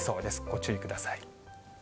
ご注意ください。